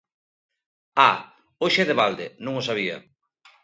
A, hoxe é de balde, non o sabía.